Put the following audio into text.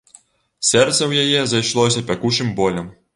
Сэрца ў яе зайшлося пякучым болем.